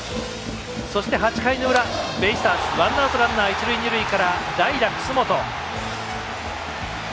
そして、８回の裏、ベイスターズワンアウトランナー、一塁二塁から代打、楠本。